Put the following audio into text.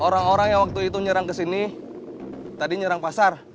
orang orang yang waktu itu nyerang ke sini tadi nyerang pasar